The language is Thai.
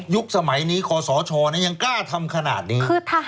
สมัยนี้คอสชยังกล้าทำขนาดนี้